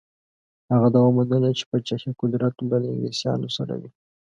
هغه دا ومنله چې پاچهي قدرت به له انګلیسیانو سره وي.